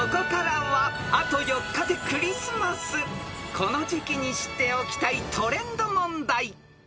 ［この時季に知っておきたいトレンド問題］